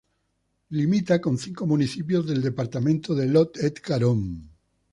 Limita con cinco municipios del departamento de Lot-et-Garonne.